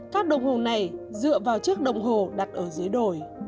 các đồng hồ này dựa vào chiếc đồng hồ đặt ở dưới đồi